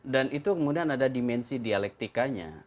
itu kemudian ada dimensi dialektikanya